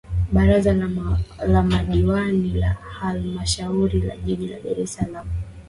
Baraza la Madiwani la Halmashauri ya Jiji la Dar es Salaam